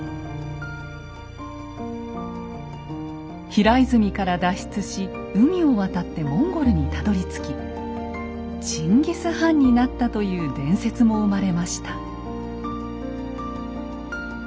平泉から脱出し海を渡ってモンゴルにたどりつきチンギス・ハンになったという伝説も生まれました。